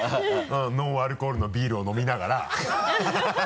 ノンアルコールのビールを飲みながら